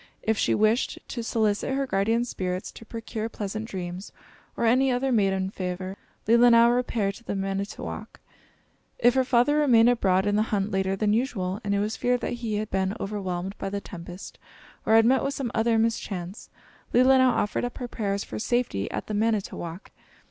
If she wished to solicit her guardian spirits to procure pleasant dreams, or any other maiden favor, Leelinau repaired to the Manitowok. If her father remained abroad in the hunt later than usual, and it was feared that he had been overwhelmed by the tempest or had met with some other mischance, Leelinau offered up her prayers for safety at the Manitowok.